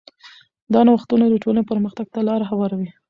دا نوښتونه د ټولنې پرمختګ ته لاره هواروي.